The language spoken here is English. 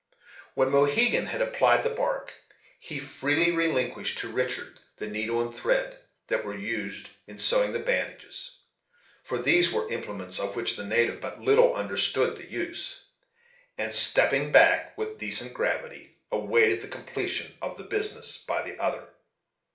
When Mohegan had applied the bark, he freely relinquished to Richard the needle and thread that were used in sewing the bandages, for these were implements of which the native but little understood the use: and, step ping back with decent gravity, awaited the completion of the business by the other.